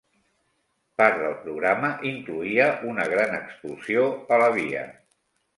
Part del programa incloïa una gran explosió a la via.